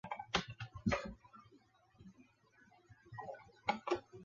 义熙十四年。